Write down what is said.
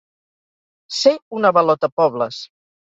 Ser un avalotapobles.